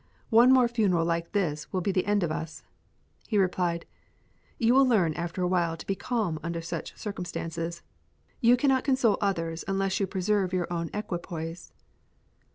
One more funeral like this will be the end of us." He replied, "You will learn after awhile to be calm under such circumstances. You cannot console others unless you preserve your own equipoise."